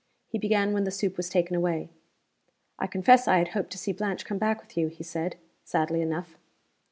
He began when the soup was taken away. "I confess I had hoped to see Blanche come back with you!" he said, sadly enough.